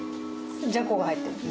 じゃこが入ってます。